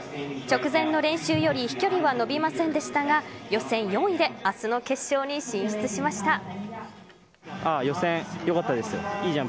直前の練習より飛距離は伸びませんでしたが予選４位で明日の決勝に進出しました。